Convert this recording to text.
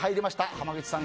濱口さん